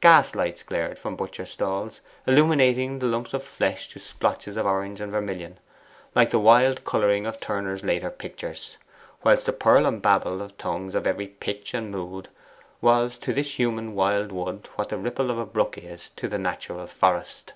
Gaslights glared from butchers' stalls, illuminating the lumps of flesh to splotches of orange and vermilion, like the wild colouring of Turner's later pictures, whilst the purl and babble of tongues of every pitch and mood was to this human wild wood what the ripple of a brook is to the natural forest.